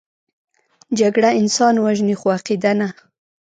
جګړه انسان وژني، خو عقیده نه